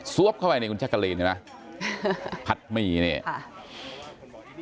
ซวบเข้าไปในคุณจักรีนนะผัดหมี่เนี่ย